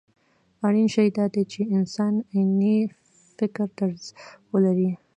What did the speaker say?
اړين شی دا دی چې انسان عيني فکرطرز ولري.